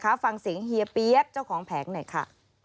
ฟังเสียงเฮียเปี๊ยกเจ้าของแผงหน่อยค่ะ